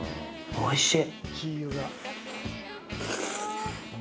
おいしい。